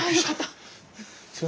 すいません。